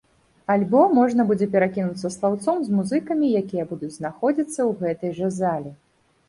Альбо можна будзе перакінуцца слаўцом з музыкамі, якія будуць знаходзіцца ў гэтай жа залі.